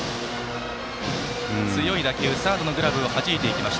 強い打球がサードのグラブをはじいていきました。